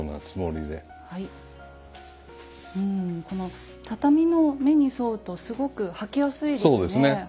この畳の目に沿うとすごく掃きやすいですね。